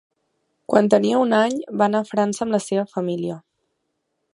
Quan tenia un any, va anar a França amb la seva família.